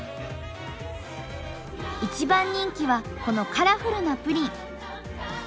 一番人気はこのカラフルなプリン。